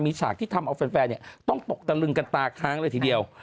ฉากที่ทำเอาแฟนต้องตกตะลึงกันตาค้างเลยทีเดียว